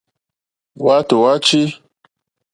Hwátò hwá tʃǐ.